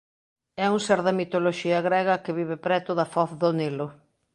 é un ser da mitoloxía grega que vive preto da foz do Nilo.